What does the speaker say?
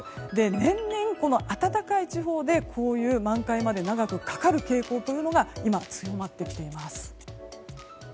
年々、暖かい地方で満開まで長くかかる傾向が今、強まってきています。